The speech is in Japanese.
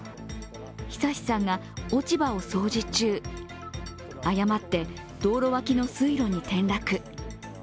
昶さんが落ち葉を掃除中、誤って道路脇の水路に転落。